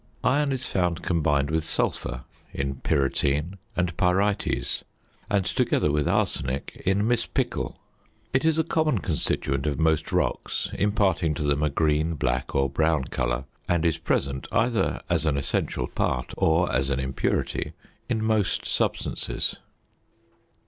Iron is found combined with sulphur in pyrrhotine and pyrites, and together with arsenic in mispickel. It is a common constituent of most rocks, imparting to them a green, black, or brown colour; and is present, either as an essential part or as an impurity, in most substances.